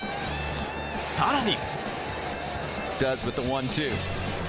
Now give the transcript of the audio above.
更に。